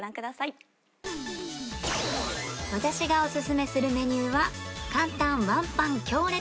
私がオススメするメニューは